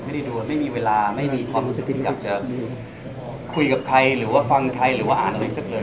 ไม่ได้ดูไม่มีเวลาไม่มีความรู้สึกที่อยากจะคุยกับใครหรือว่าฟังใครหรือว่าอ่านอะไรสักเลย